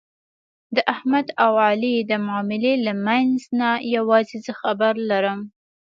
د احمد او علي د معاملې له منځ نه یووازې زه خبر لرم.